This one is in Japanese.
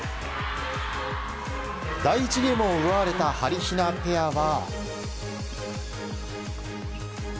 第１ゲームを奪われたはりひなペアは。